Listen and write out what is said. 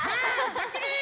ばっちり！